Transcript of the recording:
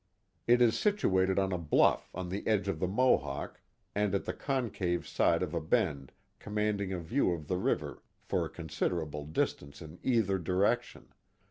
It is situated on a bluff on the edge of the Mohawk and at the concave side of a bend commanding a view of the river for a considerable distance in either direction.